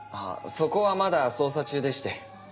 そこはまだ捜査中でして。